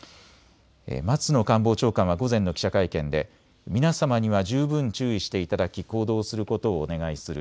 松野官房長官は午前の記者会見で皆様には十分注意していただき行動することをお願いする。